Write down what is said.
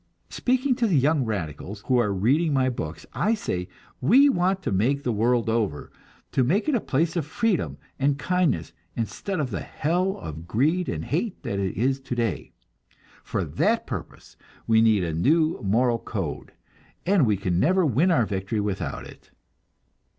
Speaking to the young radicals who are reading my books, I say: We want to make the world over, to make it a place of freedom and kindness, instead of the hell of greed and hate that it is today. For that purpose we need a new moral code, and we can never win our victory without it.